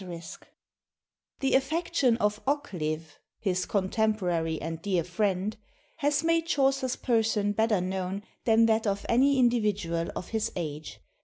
*] "The affection of Occleve" (his contemporary and dear friend) "has made Chaucer's person better known than that of any individual of his age.